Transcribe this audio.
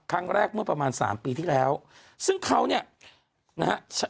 เมื่อประมาณสามปีที่แล้วซึ่งเขาเนี่ยนะฮะ